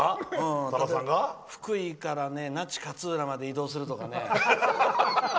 福井から那智勝浦まで移動するとかね。